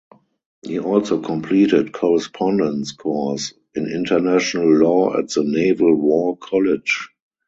He also completed correspondence course in International law at the Naval War College.